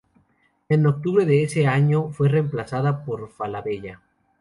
En octubre de ese año fue reemplazada por Falabella.